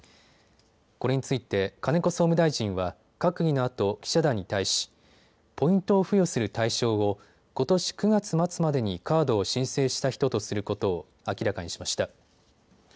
これについて金子総務大臣は閣議のあと記者団に対しポイントを付与する対象をことし９月末までにカードを申請した人とすることを明らかにしました。